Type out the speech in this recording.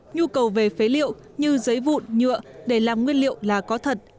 nhu cầu về phế liệu như giấy vụn nhựa để làm nguyên liệu là có thật